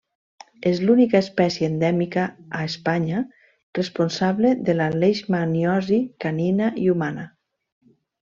És l'única espècie endèmica a Espanya, responsable de la leishmaniosi canina i humana.